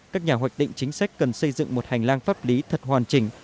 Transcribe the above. các nhà hoạch định chính sách cần xây dựng một hành lang pháp lý thật hoàn chỉnh